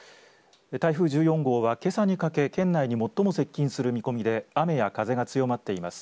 台風１４号は、けさにかけ県内に最も接近する見込みで雨や風が強まっています。